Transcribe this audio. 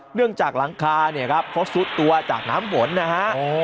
หลังจากหลังคาเนี่ยครับเขาซุดตัวจากน้ำฝนนะฮะ